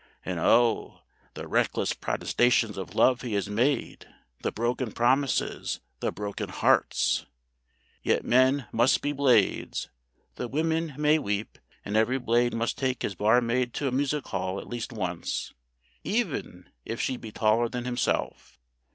And oh! the reckless protestations of love he has made, the broken promises, the broken hearts! Yet men must be Blades, though women may weep; and every Blade must take his barmaid to a music hall at least once, even if she be taller than himself.